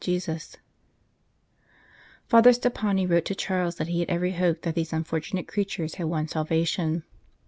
Jesus !" Father Stoppani wrote to Charles that he had every hope that these unfortunate creatures had won salvation.